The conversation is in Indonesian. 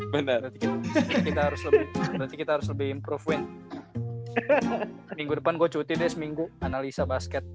bener kita harus lebih berarti kita harus lebih improve win minggu depan gue cuti deh seminggu analisa basket